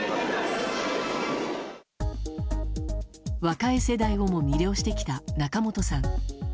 若い世代をも魅了してきた仲本さん。